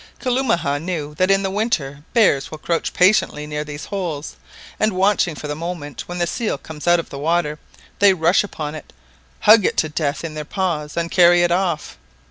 Kalumah knew that in the winter bears will crouch patiently near these holes, and watching for the moment when the seal comes out of the water, they rush upon it, hug it to death in their paws, and carry it off.